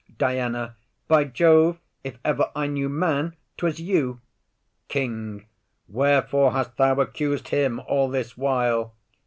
DIANA. By Jove, if ever I knew man, 'twas you. KING. Wherefore hast thou accus'd him all this while?